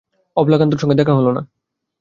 অবলাকান্তবাবুর সঙ্গে দেখা হল না।